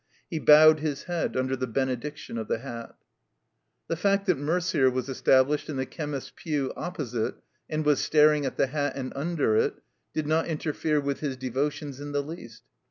He bowed his head under the benediction of the hat. The fact that Merder was established in the chemist's pew opposite, and was staring at the hat, and under it, did not interfere with his devotions in the least.